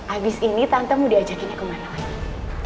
abis ini tante mau diajakinnya kemana lagi